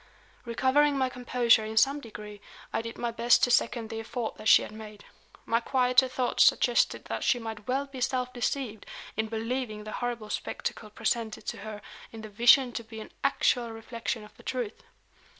Recovering my composure in some degree, I did my best to second the effort that she had made. My quieter thoughts suggested that she might well be self deceived in believing the horrible spectacle presented to her in the vision to be an actual reflection of the truth.